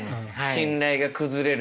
信頼が崩れるよね。